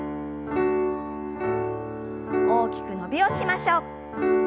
大きく伸びをしましょう。